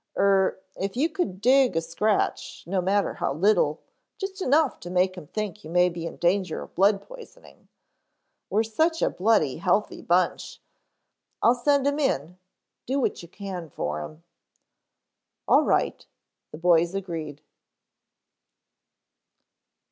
Er, if you could dig a scratch, no matter how little, just enough to make him think you may be in danger of blood poisoning. We're such a bloody healthy bunch I'll send him in, do what you can for him." "All right," the boys agreed.